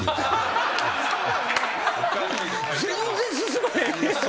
全然進まへん。